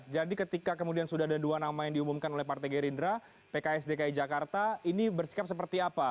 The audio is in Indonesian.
jadi ketika kemudian sudah ada dua nama yang diumumkan oleh partai gerindra pks dki jakarta ini bersikap seperti apa